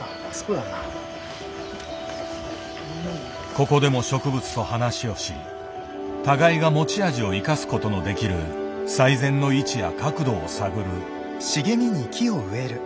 ここでも植物と話をし互いが持ち味を生かすことのできる最善の位置や角度を探る。